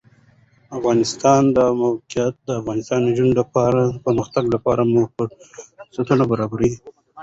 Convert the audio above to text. د افغانستان د موقعیت د افغان نجونو د پرمختګ لپاره فرصتونه برابروي.